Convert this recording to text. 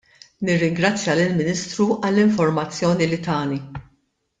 Nirringrazzja lill-Ministru għall-informazzjoni li tani.